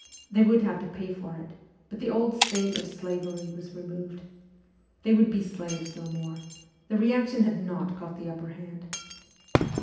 They would have to pay for it, but the old stain of slavery was removed. They would be slaves no more ; the reaction had not got the upper hand.